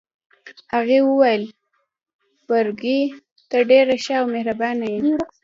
هغې وویل: فرګي، ته ډېره ښه او مهربانه يې.